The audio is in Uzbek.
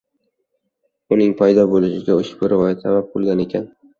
Uning paydo bo‘lishiga ushbu rivoyat sabab bo‘lgan ekan.